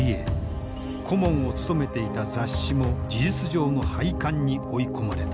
顧問を務めていた雑誌も事実上の廃刊に追い込まれた。